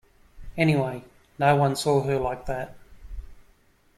Anyway, no one saw her like that.